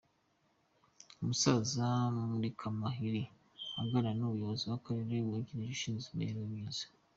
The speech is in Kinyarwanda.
Umusaza Murikamahiri aganira n’umuyonozi w’akarere wungirije ushinzwe imibereho myiza.